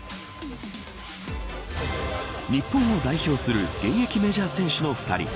日本を代表する現役メジャー選手の２人。